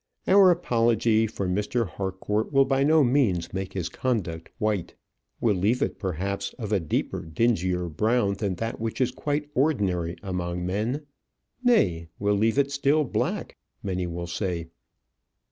Our apology for Mr. Harcourt will by no means make his conduct white will leave it, perhaps, of a deeper, dingier brown than that which is quite ordinary among men; nay, will leave it still black, many will say.